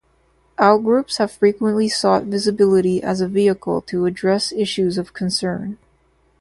Outgroups have frequently sought visibility as a vehicle to address issues of concern.